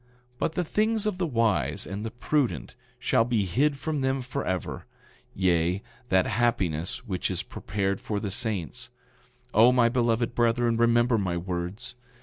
9:43 But the things of the wise and the prudent shall be hid from them forever—yea, that happiness which is prepared for the saints. 9:44 O, my beloved brethren, remember my words.